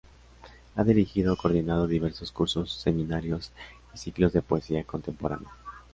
Ha dirigido o coordinado diversos cursos, seminarios y ciclos de poesía contemporánea.